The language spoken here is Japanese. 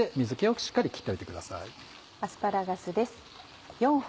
アスパラガスです。